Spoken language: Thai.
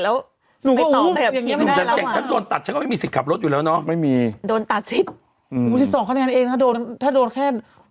ก็๑๒๘นะ๑๒คะแนน๑๒คะแนนถ้าเกิดคุณโดนตัดไปจนถึงเท่าไหร่แล้ว